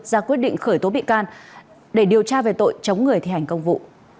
ra quyết định khởi tố bị can để điều tra về tội chống người thi hành công vụ